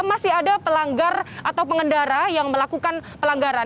masih ada pelanggar atau pengendara yang melakukan pelanggaran